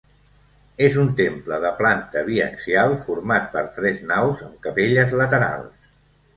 És un temple de planta biaxial format per tres naus amb capelles laterals.